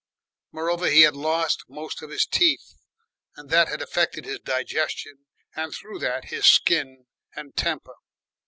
Moreover, he had lost most of his teeth and that had affected his digestion and through that his skin and temper.